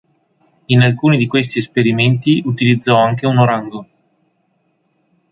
In alcuni di questi esperimenti utilizzò anche un orango.